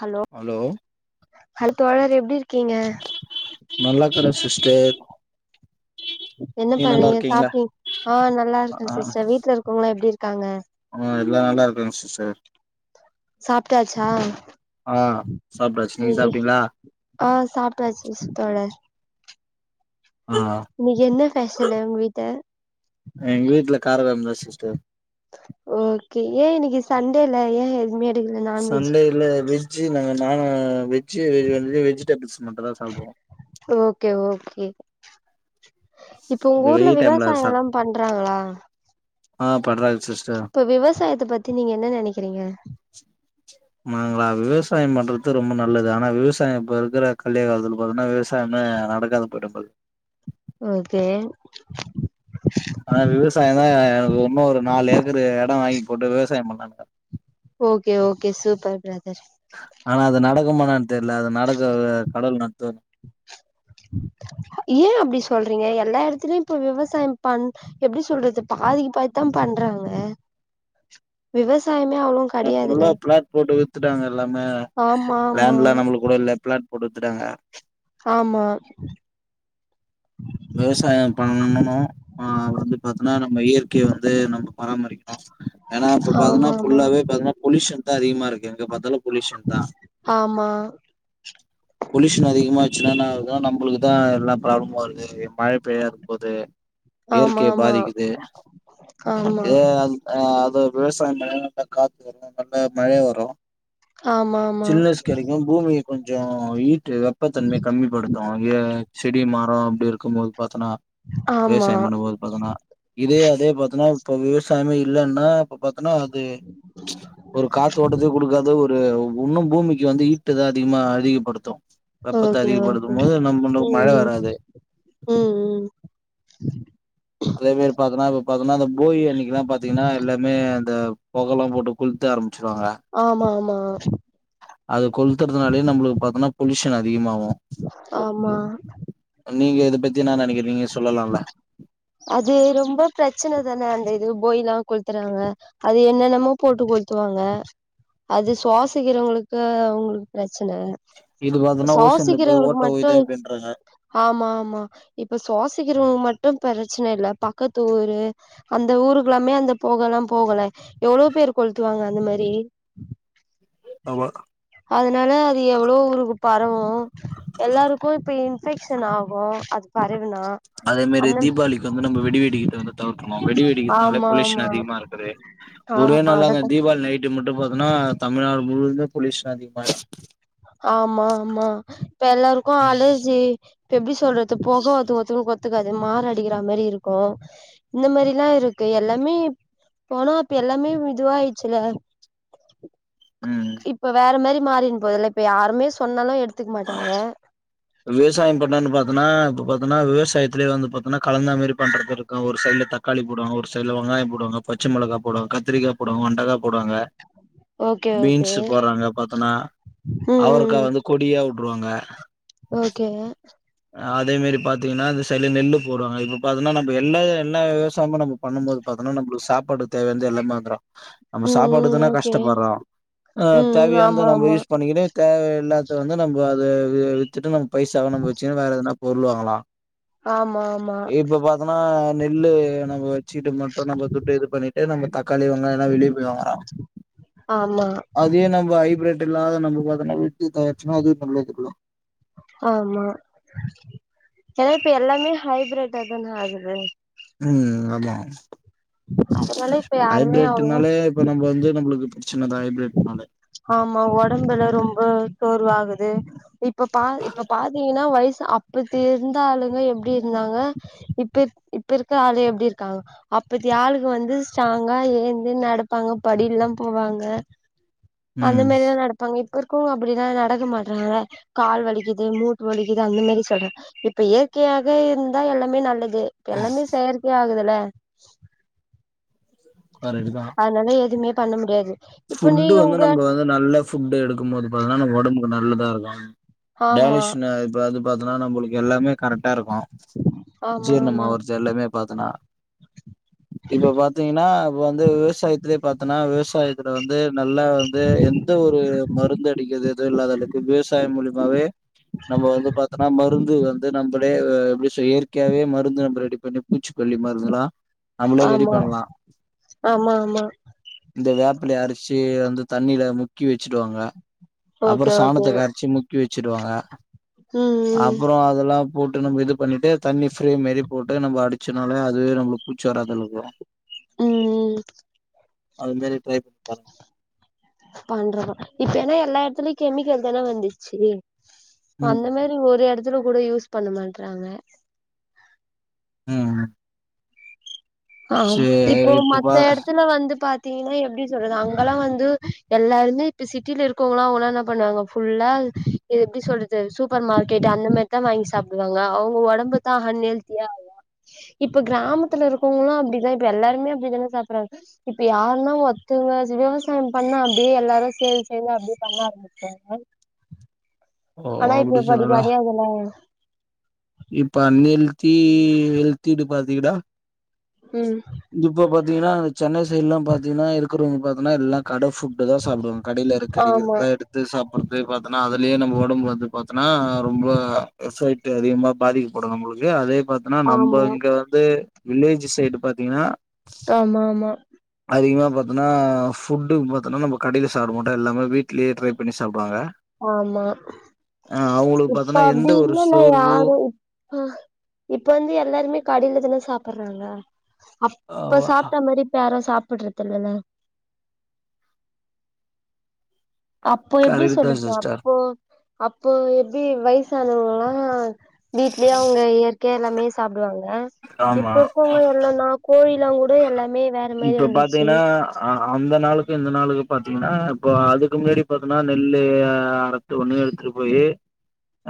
Hello hello hello தோழர் எப்டிருக் கீங்க நல்லாக்கர சிஸ்டர் என்ன நீங்க நல்லா பண்றீங்க இருக்கீங்களா சாப்ட்டீ ஆ நல்லா இருக்கே ஆ சிஸ்டர் வீட்ல இருக்கவ்ங்களா எப்டி இருக்காங்க ஆ எல்லாரு நல்லாருக்காங்க சிஸர் சாப்ட்டாச்சா ஆ சாப்ட்டாச்சு நீங்க நீயு சாப்ட்டீங்களா ஆ சாப்டாச்சு சிஸ் தோழர் ஆ இன்னிக்கு என்ன பெஷல் உங்க வீட்ட அ எங்க வீட்ல கார கொழம்தா சிஸ்டர் ஓகே ஏ இன்னிக்கு சண்டேல ஏ எதுமே சண்டேல வெஜ் நாங்க நானு வெஜ்ஜு வெ வந்து வெஜிடபிள்ஸ் மட்டுந்தா சாப்டுவோ ஓகே ஓகே இப்போ இந்த ஊர்ல வெயில் டைம்ல விவசாயோல்லா சாப் பண்றாங்களா ஆ பண்றாங்க சிஸ் இப்ப விவசாயத்த பத்தி நீங்க என்ன நெனைக்கிறீங்க மாங்களா விவசாயோ பண்றத்து ரொம்ப நல்லது ஆனா விவசாயோ இப்ப இருக்குற கலி காலத்துல பாத்தன்னா விவசா சாயமே நடக்காது போயிட போது ஓகே ஆனா விவசாயந்தா எனக்கு உன்னு ஒரு நாலு ஏக்கர் எடோ வாங்கி போட்டு விவசாயொ பண்ணலான்ருக்க ஓகே ஓகே சூப்பர் ப்ரதர் ஆனா அது நடக்குமா என்னானு தெர்ல அது நடக்க கடவுள் நடத்துவார் ஏ அப்டி சொல்றீங்க எல்லா எடத்துலயு இப்ப விவசாயம் பண் எப்டி சொல்றது பாதிகு பாதிதா பண்றாங்க விவசாயமே அவ்ளோ ஏங்க கெடையாதுல ஃபுல்லா பிளாட் போட்டு வித்துட்டாங்க எல்லாமே ஆமா லேண்ட்லா நம்மளுக் கூட இல்ல ப்ளாட் போட்டு வித்துட்டாங்க ஆமா விவசாயம் பண்ணுனு அ வந்து பாத்தன்னா நம்ம இயற்க் கைய வந்து நம்ம பராமரிக்கணு ஏனா இப்ப பாத்தன்னா ஆமா ஃபுல்லாவே பாத்தனா பொல்யூஷன்தா அதிகமா இருக்கு எங்க பாத்தாலு பொல்யூஷன்தா ஆமா பொல்யூஷன் அதிகமாச்சுனானா அதா நம்பளுக்குதா எல்லா ப்ராப்ளமு வருது மழ பெய்யா இருக்க போது ஆமா இயற்கைய ஆமா பாதிக்குது ஆமா ஏனா அந் ஆ அது விவசாயோ பண்ணனா பா காத்து வரு நல்லா மழை வரு ஆமா சில்னஸ் கெடைக்கு பூமிய கொஞ்சொ ஹீட்டு வெப்பத்தன்மைய கம்மிப்படுத்து ஏ செடி மரோ அப்டி இருக்கும்போது பாத்தனா ஆமா ஆமா ஆமா ஆமா விவசாயம் பண்ணும்போது பாத்தன்னா இதே அதே பாத்தன்னா இப்ப விவசாயமே இல்லன்னா இப்ப பாத்தன்னா அது ஒரு காத்து ஓட்டத்தையு குடுக்காது ஒரு உன்னு பூமிக்கு வந்து ஈ ட்டுதா அதிகமா அதிகோ ஓகே ஓகே நம்ம மழ ம் ம் வராது ம் ம் அதே மாரி பாத்தன்னா இப்ப பாத்தன்னா அந்த போகி அன்னைக்குல்லா பாத்தீங்கன்னா எல்லாமே அந்த பொகெல்லா போட்டு குளுத்து ஆரம்பச்சடுவாங்க ஆமாமா அது கொளுத்துறதுனாலயே நம்மளுக்கு பாத்தோம்ன்னா பொலயூஷன் அதிகமாகும் ஆமா நீங்க இதை பத்தி என்ன நினைக்கிறீங்க நீங்க சொல்லலால அது ரொம்ப பிரச்சனை தானே அந்த இது போகில்லாம் கொளுத்துறாங்க அது என்னென்னமோ போட்டு கொளுத்துவாங்க அது சுவாசிக்கிறவங்களுக்கு அவங்களுக்கு பிரச்சனை இது பாரத்தன்னா ஓசோன்ல போய் ஓட்டோ மட்டு வுழுது அப்படின்றாங்க ஆமா ஆமா இப்ப சுவாசிக்கிறவங்க மட்டும் பிரச்சனை இல்ல பக்கத்து ஊரு அந்த ஊருக்கு எல்லாமே அந்த பொகல்லா போகுல்ல எவ்ளோ பேரு கொளுத்துவாங்க அந்த மாறி அவக் அதனால அது எவ்ளோ ஊருக்கு பரவு எல்லாருக்கு அது இன்ஃபெக்ஷன் ஆகு அது பரவினா அதே மாறி தீபாவளிக்கு வந்து நம்ம வெடி வெடிக்கதற வந்து தவிர்க்கனு வெடி வெடிக்கிறதுனால ஆமா பொல்யூஷன் ஆமா அதிகமா இருக்குது ஒரே ஆமா நாள்ள அந்த அததா தீபாவளி நைட்டு மட்டு பாத்தோன்னா தமிழ்நாடு முழுதும் பொலியூஷன் அதிகமாய் ஆமாமா இப்ப எல்லாருக்கு அலர்ஜி இப்ப எப்டி சொல்றது புக ஒத்து ஒத்தருக்கு ஒத்துக்காது மாரடைக்கிற மாறி இருக்கு இந்த மாறிலா இருக்கு எல்லாமே போனா அப்ப எல்லாமே இதுவாயிடுச்சுல ம் இப்ப வேற மாறி மாறின்போதுல்ல இப்ப யாருமே சொன்னாலு எடுத்துக்க மாட்டாங்க விவசாயம் பண்லன்னு பாத்தன்னா இப்ப பாத்தன்னா விவசாயத்துலயே வந்து பாத்தன்னா கலந்த மாறி பண்றதுயிருக்கு ஒரு சைடுல தக்காளி போடுவாங்க ஒரு சைடுல வெங்காயம் போடுவாங்க பச்சமிளகா போடுவாங்க கத்திரிக்கா போவாங்க வண்டக்கா போவாங்க ஓகே ஓகே பீன்ஸ் போறாங்க பாத்தன்னா ம் அவரக்கா வந்து கொடியா விட்ருவாங்க ஓகேங்க அதே மாறி பாத்தீங்கன்னா அந்தசைடு நெல்லு போடுவாங்க இப்ப பாத்தீங்கன்னா நம்ம எல்லா எல்லா விவசாயமும் நம்ம பண்ணும் போது பாத்தனா நம்மளுக்கு சாப்பாடுக்கு தேவையானது எல்லாமே வந்துரு நம்ம ம் ம் சாப்பாட்டுக்குதான ஓகே கஷ்டப்படடறோ ஆ ம் ம் தேவையானத ஆமா நம்ம ஆமா யூஸ் பண்ணிக்கினு தேவை இல்லாத வந்து நம்ம அத விட்டுட்டு நம்ம பைசாவ நம்ம வச்சுன்னு வேற எதனா பொருள் வாங்களா ஆமா ஆமா இப்ப பாத்தனா நெல்லு நம்ம வச்சுட்டு மட்டு நம்ம துட்டு இது பண்ணிட்டு இது நம்ம தக்காளி வெங்காயால்ல வெளிய போய் வாங்கறா உ அதே நம்ம ஹைபரட் இல்லாத நம்ம பாத்தன வீட்டுல தயார்ச்சினா அதுவும் நல்லதுக்குத ஆமா ஏனா இப்ப எல்லாமே ஹைபிரிட்டுதான ஆகுது ம் ஆமா அதனால இப்ப யாருமே அவ்ளவா ஹைபிரட்னாலே இப்ப நம்ம வந்து நம்மளுக்கு பிரச்சனத ஹைபிரட்டனாலே ஆமா உடம்புல ரொம்ப சோர்வாகுது இப்ப பா இப்ப பாத்தீங்கன்னா வயசு அப்ப இருந்த ஆளுங்க எப்டி இருந்தாங்க இப்ப இப்ப இருக்கிற ஆளு எப்டி இருக்காங்க அப்பத்தி ஆளுங்கோ வந்து ஸ்ட்ராங்கா ஏந்து நடப்பாங்க படில்லாம் போவாங்க அந்த ம் மாதிலா நடப் ங்க இப்ப இருக்கவச்க அப்டினா நடக்க மாட்றாங்க கால் வலிக்குது மூட்டு வலிக்குது அந்த மாறி சொல்றாங்க இப்ப இயற்கையாக இருந்தா எல்லாமே நல்லது எல்லாமே செயற்கை ஆகுதுல்ல கரடுதா என்னால எதுமே பண்ண முடியாது இப்ப ஃபுட்டு நீங்க வந்து உங்க நம்ம வந்து நல்ல ஃபுட்டு எடுக்கும்போது பாத்தங்கனா உடம்புக்கு நல்லதா இருக்கும் ஆமா டேனிஷ் நாய பாத்து பாத்துதா நம்மளுக்கு எல்லாமே கரெக்டா இருக்கும் ஆமா ஆமா ஜீர்ணமவர்து எல்லாமே பாத்தனா இப்ப பாத்தீங்கன்னா இப்ப வந்து விவசாயத்திலயே பாத்தன்னா விவசாய இதுல வந்து நல்லா வந்து எந்த ஒரு மருந்து அடிக்கிறது எதுவு இல்லா விவசாய மூலியமாவே நம்ம வந்து பாத்தோனா மருந்து வந்து நம்மலே எப்டி இயற்கையாவே மருந்து நம்ம ரெடி பண்ணி பூச்சிக்கொல்லி மருந்துல்லா நம்மளே ரெடி ஆமா பண்ணலா ஆமா ஆமா இந்த வேப் வேப்பலய அரச்சி வந்து தண்ணியில முக்கி வச்சுடுவாங்க அப்பற ஓகே ஓகே சாணத்த கரச்சி முக் முக்கி வச்சடுவாங்க ம் ம் அப்பற அதுல்லா போட்டு நம்ம இது பண்ணிட்டு தண்ணி ஃப்ரே மேரி போட்டு நம்ம அடிச்சனாலே அதுவே நம்மளுக்கு பூச்சி வராதலவுருக்கு ம்ம் அது மாரி ட்ரை பண்ணி பாருங்க. பண்றத இப்ப என்னா எல்லா இடத்துலயு கெமிக்கல் தான வந்துச்சு ம் அந்த மாரி ஒரு இடத்துல கூட யூஸ் பண்ண மாட்டறாங்க ம் ஆம் சரி இப்போ இப்ப மத்த பா இடத்துல வந்து பா திங்கன்னா எப்டி சொல்றது அங்கல்லா வந்து எல்லாருமே இப்ப சிட்டில இருக்கவங்களா அவுங்கல்லா என்ன பண்ணுவாங்க ஃபுல்லா து எப்டி சொல்றது சூப்பர் மார்க்கெட் அந்த மாரிதா வாங்கி சாப்டுவாங்க அவங்க உடம்பு தா அன் ஹெல்த்தியா ஆகு இப்ப கிராமத்துல இருக்கவங்களு அப்டிதா இப்ப எல்லாருமே அப்டித்தான சாப்டுறாங்க இப்ப யாருன்னா ஒத்தங்க விவசாய பண்ணா அப்டியே எல்லாரு சேந் சேந் அப்டியே பண்ணா ஆரம் ஓ ஆனா இப்ப அப்டி சொல்றடா கிடையாதுல்ல இப்ப அன் ஹெல்த்தி ஹெல்த்தினு பாத்திங்கனா ம் இப்ப பாத் ங்கன்னா சென்னை சைட்லா பாத்தீங்கன்னா இருக்கிறவங்க பாத்தங்கன்னா எல்லா கட ஃபுட்டு தா சாப்டுவாங்க கடைல இருக்குற கறிகள் ஆமா தா எடுத் து சாப்டுறது பாத்தனா அதுலே நம்ம உடம்பு வந்து பாத்தனா ரொம்ப எஃபெக்ட் அதிகமா பாதிக்கப்படு நம்பளுக்கு அதே பாத் ஏனா நம்ம ஆமா இங்க வந்து வில்லேஜ் சைடு பாத்தீங்கன்னா ஆமா ஆமா அதிகமாக பாத்தோன்னா ஃபுட்டுக்கு பாத்தோன்னா நம்ப கடையில் சாப்பிட மாட்டோ எல்லாமே வீட்லேயே ட்ரை பண்ணி சாப்புடுவாங்க ஆமா இப்ப பாத்தோன்னா எந்த அப்டி ஒரு இல்லனா சோர்வு யாரு இப்ப வந்து எல்லாருமே கடைலதான சாப்ட்றாங்க அப்ப அ சாப்ட்ட மாரி இப்ப யாரு சாப்புடுறது இல்லல்ல அப்போ எப்டி கரெக்ட் தா சொல்லுது சிஸ்டர் அப்போ அப்போ எப்டி வயசானவங்கல்லா வீட்லயே அவங்க இயற்கையா எல்லாமே சாப்டுவாங்க ஆமா இப்ப இருக்கவங்க என்னனா கோழிலா கூட எல்லாமே வேற மாரி வந்துச்சு ஆ அந்த நாளுக்கு இந்த நாளுக்கு பாத்தீங்கன்னா இப்ப அதுக்கு முன்னாடி பாத்தீங்கன்னா நெல்லு அர ஒண்ணு எடுத்துட்டு போய்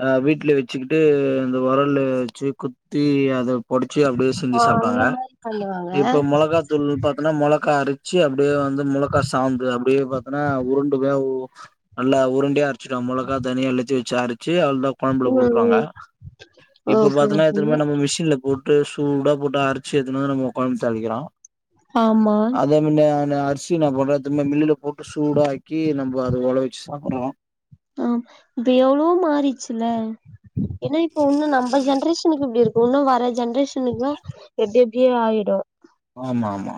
அ வீட்ல வச்சுக்கிட்டு இந்தந்த உரல்லு வச்சி குத்தி அத பொடிச்சு அப்டே ஆ செஞ்சு அந்த சாப்ட்டாங்க மாரி பண்ணுவாங்க இப்போ மொளகா தூள் பாத்தோன்னா மொளகா அரிச்சு அப்டியே வந்து மொளகா சாந்து அப்டே பா அதனா உருண்டு தா வ் நல்லா உருண்டையா அரிச்சுடு மொளகா தனியா எல்லாத்தையு வச்சு அரச்சு அவளதா குழம்புல ம் போட்டுவாங்க ம் இப்ப ஓகே பாத்தன்னா ஓகே எத்துனு பேரு நம்ம மிஷின்ல போட் ட்டு சூடா போட்டு அரைச்சு எத்துனு நம்ம கொழம்பு தாலிக்கிறோ ஆமா இந்த அந்த அரிசி நா பண்றது மில்லுல போட்டு சூடாக்கி நம்ம அத உழ வச்சு சாப்புட்றோ ஆ இப்ப எவ்வளோ மாறிடுச்சுல ஏனா இப்ப இன்னு நம்ம ஜென்ரேஷனுக்கு இப்டி இரு இன்னு வர ஜென்ரேஷனுக்ல்லா எப்டி எப்டியோ ஆயிடு ஆமா ஆமா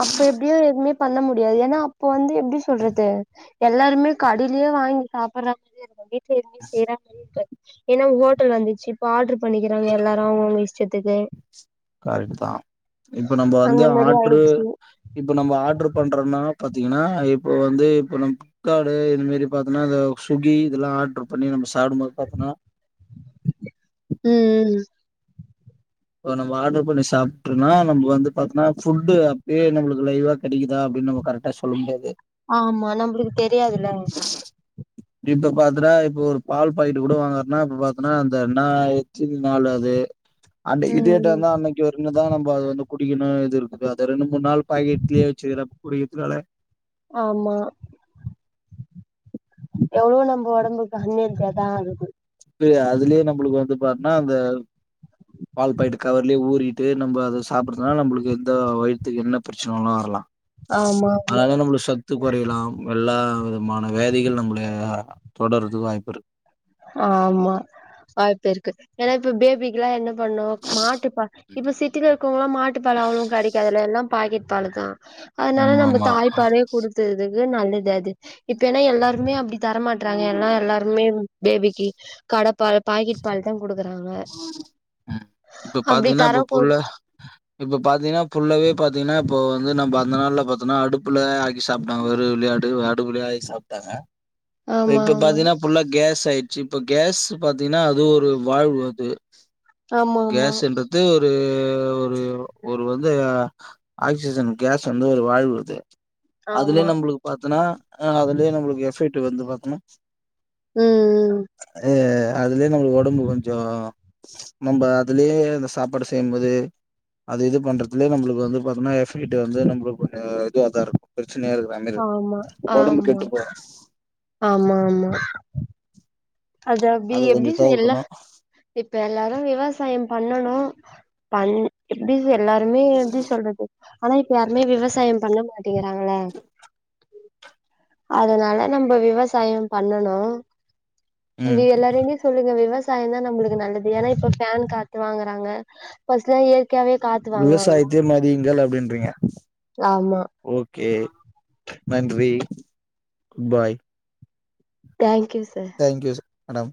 அப்ப எப்படியு எதுவுமே பண்ண முடியாது ஏனா அப்ப வந்து எப்டி சொல்றது எல்லாருமே கடியியே வாங்கி சாப்பிடுற அப்டிங்றத தாண்டி வீட்லே செய்ற மாறி இருக்கு ஏனா ஹோட்டல் வந்துச்சு இப்ப ஆட்ரு பண்ணிக்கிறாங்க எல்லாரு அவுங்க அவுங்க இஸ் செத்துக்கு கர்ட்டு தா இப்ப நம்ம வந்து அந்த மாரி ஆட்ரு ஆயிடுச்சு இப்ப நம்ம ஆட்ரு பண்றோம்னா பாத்தீங்கன்னா இப்ப வந்து இப்ப நம் ளிப்கார்டு இதுமாரி பாத்தனா இதோ சுக்கி இதெல்லா ஆடரு பண்ணி நம்ம சாப்டும்போது பாத்திங்னா ம் ம் இப்ப நம்ம ஆடரு பண்ணி சாப்பிட்டனா நம்ம வந்து பாத்தனா ஃபுட்டு அப்பயே நம்மளுக்கு லைவா கெடைக்குதா அப்டின்னு நம்ம கரக்டா சொல்ல முடியாது ஆமா நம்பளுக்கு தெரியாதுல தீப்ப பாத்தரா இப்போ ஒரு பால் போயிட்டு கூட வாங்கறனா இப்ப பாத்தனா அந்த என்னாய்ச்சு நாலுாவது அந்த இதேட்ட ம் இருந்தா அன்னைக்கி இவருங்க தா நம்ம அது வந்து குடிக்கணு இது இருக்கு அது ருக்னு மு ன் நாள் பக்கேட்லே வச்சுக்கற குடிக்கற்துலால ஆமா எவ்ளோ நம்ம உடம்புக்கு அன்னியத்த தா ஆகுது ப்டியே அதுலயே நம்மளுக்கு வந்து பாத்னா அந்த வால் பைட்டு கவர்லயே ஊறிட்டு நம்ம அத சாப்புட்றதுனா நம்மளுக்கு எந்த வயித்துக்கு என்ன பிரச்சனாலு வரலா ஆமா ஆமா அதாது நம்மளுகு சத்து கொறையலாம் எல்லா விதமான வேதிகள் நம்மள தொடர்றதுக்கு வாய்ப்பு இருக்கு ஆமா வாய்ப்பு இருக்குது ஏனா இப்ப பேபிக்கு எல்லா என்ன பண்ணு மாட்டுப்பா இப்ப சிட்டில இருக்கவங்கல்லா மாட்டுப்பால் அவ்வள கெடைகாதுல எல்லா பாக்கெட் பாலு தா அதனால ம் நம்ம ஆமா தாய்ப்பால்லே கொடுத்ததுகு நல்லது அது இப்ப ஏன்னா எல்லாருமே அப்டி தரமாட்டறாங்க ஏன்னா எல்லாருமே பேபிக்கி கடப்பால் பாக்கெட் பாலு தா கொடுக்குறாங்க ம் அப்டி தரம்போ இப்போ பாத்தீங்கன்னா புல்லாவே பாத்தீங்ன்னா இப்போ வந்து நம்ம அந்த நாள்ல பாத்தனா அடுப்புல ஆக்கி சாப்ட்டா வெறு வெளையா விளயாட் அப்புடியாயி சாப்ட்டாங்க இப் ஆமா இப்ப பாத்தீங்கனா புல்லா கேஸ் ஆயிடுச்சு இப்ப கேஸ் பாத்தீங்ன்னா அது ஒரு வாழ்வு இது ஆமா ஆமா கேஸ்ன்றது ஒரு ஒரு ஒரு வந்து ஆக்சிஜன் கேஸ் வந்து ஒரு வாய்வு அது அதுலயே ஆமா ஆமா நம்மளுக்கு பாத்தனா அதுலே நம்மளுக்கு எஃபெக்ட் வந்து பாத்தனா ம்ம் அது அதுலயே நம்மளுக் ஒடம்பு கொஞ்சோ நம்ந அதுலயே அந்த சாப்பாடு செய்யும்போது அது இது பண்றதுலயே நம்மளுக்கு வந்து பாத்தன்னா எஃப்பெக்ட்டு வந்து நம்மளுக்கு இதுவ தா இருக்கு பிரச்சனையா இருக்கு ஆமா [unintelligible] உடம்பு ஆமா கெட்டு போவு ஆமா ஆமா அத அப்டி கொஞ்சோ எப்டிச எல்லா தவிர்க்கணு இப்ப எல்லாரு விவசாயம் பண்ணணு பண் எப்டிச எல்லாருமே எப்டி சொல்றது ஆனா இப்ப யாருமே விவசாயம் பண்ண மாட் டிங்கறாங்கள அதனால நம்ப விவசாயம் பண்ணணு அது ம் எல்லாரான்டியு சொல்லுங்க விவா விவசாயம் தா நம்பளுக்கு நல்லது ஏன்னா இப்ப பேன் காத்து வாங்குறாங்க பஸ்ட்டு இயற் கையாவே காத் விவசாயத்தே மதியுங்கள் அப்டின்றீங்க ஆமா கே நன்றி பாய் தேங்க் யூ சா தேங்க் யூ ஸ் மேடம்